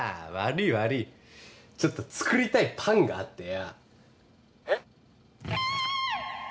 悪い悪いちょっと作りたいパンがあってよ☎えっ？